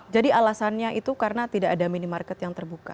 jadi alasannya itu karena tidak ada minimarket yang terbuka